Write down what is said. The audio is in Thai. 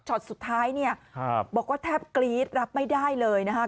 ชอบสุดท้ายบอกว่าแทบกรี๊ดรับไม่ได้เลยนะครับ